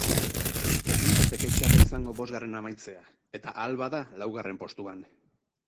Ez litzateke txarra izango bosgarren amaitzea eta ahal bada laugarren postuan.